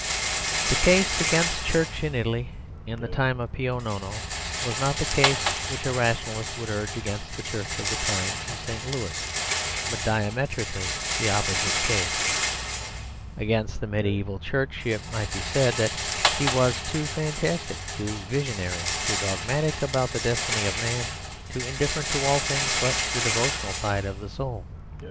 The case against the Church in Italy in the time of Pio Nono was not the case which a rationalist would urge against the Church of the time of St. Louis, but diametrically the opposite case. Against the mediæval Church it might be said that she was too fantastic, too visionary, too dogmatic about the destiny of man, too indifferent to all things but the devotional side of the soul.